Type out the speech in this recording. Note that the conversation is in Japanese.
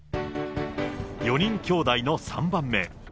４人きょうだいの３番目。